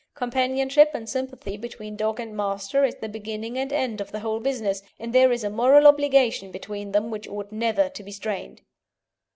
Companionship and sympathy between dog and master is the beginning and end of the whole business, and there is a moral obligation between them which ought never to be strained.